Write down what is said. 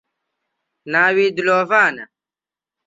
ناوی دلۆڤانە